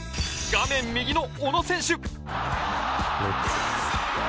画面右の小野選手